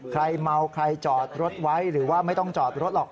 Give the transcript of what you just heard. เมาใครจอดรถไว้หรือว่าไม่ต้องจอดรถหรอก